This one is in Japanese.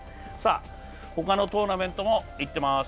他のトーナメントもいってます。